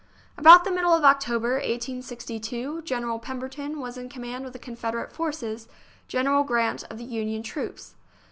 About the middle of October, 1862, General Pemberton was in command of the Confederate forces, General Grant of the Union troops.